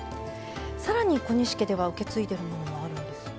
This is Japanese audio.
さらに小西家では受け継いでいるものがあるんですよね。